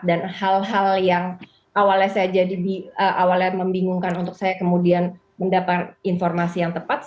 dan hal hal yang awalnya saya jadi awalnya membingungkan untuk saya kemudian mendapatkan informasi yang tepat